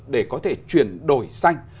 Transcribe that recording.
để có thể chuyển đổi xanh